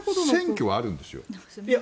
選挙はあるんですよ。